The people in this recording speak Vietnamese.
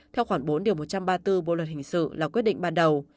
theo khoảng bốn một trăm ba mươi bốn bộ luật hình sự là quyết định ban đầu